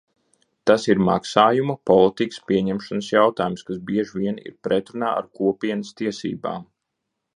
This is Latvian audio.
Tas ir maksājumu politikas pieņemšanas jautājums, kas bieži vien ir pretrunā ar Kopienas tiesībām.